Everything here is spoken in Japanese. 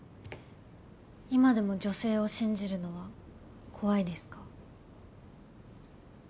今でも女性を信じるのは怖いですか？